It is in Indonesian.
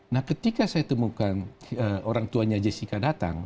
nah ketika saya temukan orang tuanya jessica datang